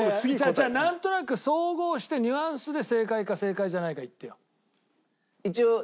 違う違うなんとなく総合してニュアンスで正解か正解じゃないか言ってよ。